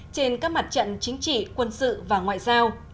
trên các mặt trận chính trị quân sự và ngoại giao